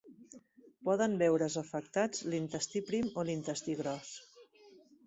Poden veure's afectats l'intestí prim o l'intestí gros.